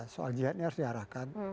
soal jihad ini harus diarahkan